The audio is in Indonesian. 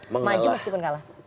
maju meskipun kalah